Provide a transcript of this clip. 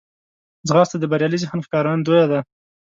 ځغاسته د بریالي ذهن ښکارندوی ده